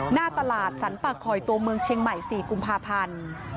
หน้าตลาดสรรปากคอยตัวเมืองเชียงใหม่๔กุมภาพันธ์